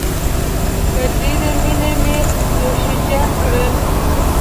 په ډېرې مينې مې نوشیجان کړل.